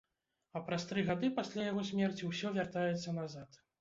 А праз тры гады пасля яго смерці ўсё вяртаецца назад.